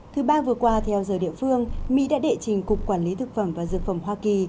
thứ ba vừa qua theo giờ địa phương mỹ đã đệ trình cục quản lý thực phẩm và dược phẩm hoa kỳ